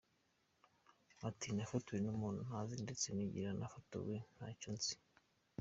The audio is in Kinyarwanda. Ati “Nafotowe n’umuntu ntazi ndetse n’igihe nafotorewe ntacyo nzi.